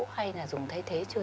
hay là dùng thay thế chưa